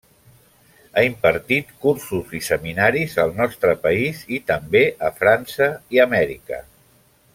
Ha impartit cursos i seminaris al nostre país i també a França i Amèrica.